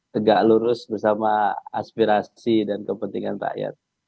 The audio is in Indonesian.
tegak lurus bersama aspirasi dan kepentingan rakyat